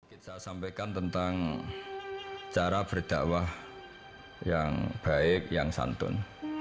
kita sampaikan tentang cara berdakwah yang baik yang santun